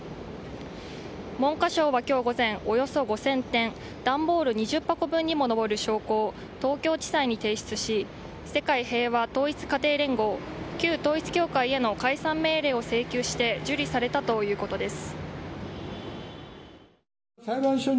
文科省は今日午前およそ５０００点段ボール２０箱分にも上る証拠を東京地裁に提出し世界平和統一家庭連合＝旧統一教会への解散命令を請求して受理されたということです。